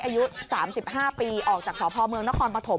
อายุ๓๕ปีออกจากสพเมืองนครปฐม